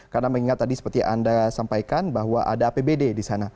karena mengingat tadi seperti yang anda sampaikan bahwa ada apbd di sana